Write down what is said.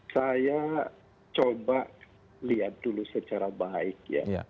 saya coba lihat dulu secara baik ya